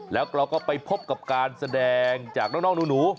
แล้วเราก็ไปพบกับการแสดงจากน้องหนู